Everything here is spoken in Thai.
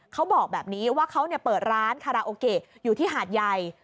เขาบอกแบบนี้ว่าเขาเปิดร้านคาราโอเกะอยู่ที่หาดใหญ่